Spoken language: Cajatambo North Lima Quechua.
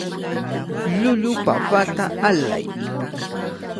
Llullu papata allay.